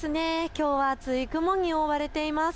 きょうは厚い雲に覆われています。